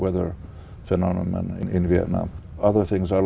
tôi phải nói rằng